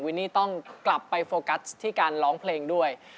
นี่ต้องกลับไปโฟกัสที่การร้องเพลงด้วย